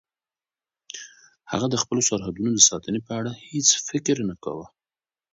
هغه د خپلو سرحدونو د ساتنې په اړه هیڅ فکر نه کاوه.